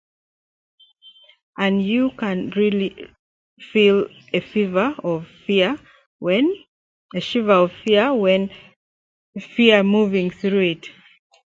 And you can really feel a shiver of fear moving through it.